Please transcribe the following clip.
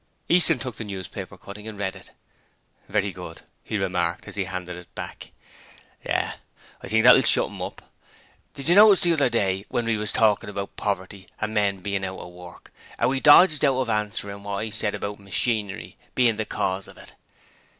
Easton took the newspaper cutting and read it: 'Very good,' he remarked as he handed it back. 'Yes, I think that'll about shut 'im up. Did yer notice the other day when we was talking about poverty and men bein' out of work, 'ow 'e dodged out of answerin' wot I said about machinery bein' the cause of it?